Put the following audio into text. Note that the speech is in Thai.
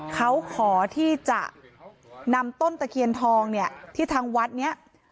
เขาขอที่จะนำต้นตะเคียนทองที่ทางวัดนี้